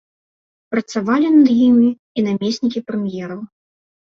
Працавалі над імі і намеснікі прэм'ераў.